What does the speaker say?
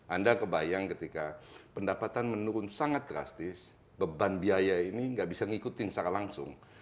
anda kebayang ketika pendapatan menurun sangat drastis beban biaya ini nggak bisa ngikutin secara langsung